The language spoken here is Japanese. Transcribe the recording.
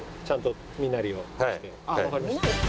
ちゃんと身なりをして。